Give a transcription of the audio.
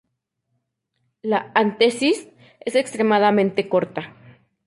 La antesis es extremadamente corta.